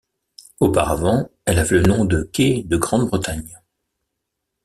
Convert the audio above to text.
Auparavant, elle avait le nom de quai de Grande-Bretagne.